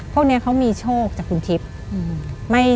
พวกนี้เขามีโชคจากคุณทิพย์